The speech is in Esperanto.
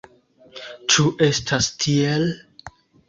Ĉu estas tiel?